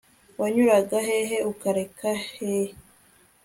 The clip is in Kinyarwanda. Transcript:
wanyuraga he he ukareka he